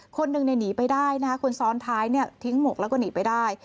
คนหนึ่งหนีไปได้นะคะคนซ้อนท้ายทิ้งหมวกแล้วก็หนีไปได้